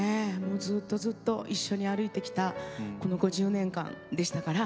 ずっとずっと一緒に歩いてきたこの５０年間でしたから。